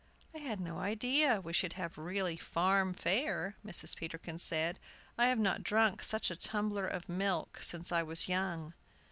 "I had no idea we should have really farm fare," Mrs. Peterkin said. "I have not drunk such a tumbler of milk since I was young."